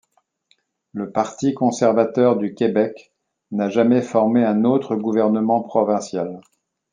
Le parti conservateur du Québec n'a jamais formé un autre gouvernement provincial.